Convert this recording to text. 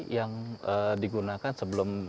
yang digunakan sebelum